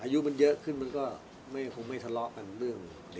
อายุมันเยอะขึ้นมันก็คงไม่ทะเลาะกันเรื่อง